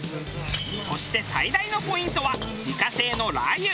そして最大のポイントは自家製のラー油。